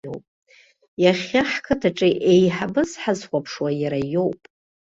Иахьа ҳқыҭаҿы еиҳабыс ҳазхәаԥшуа иара иоуп.